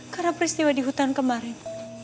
karena peristiwa di hutan kemarin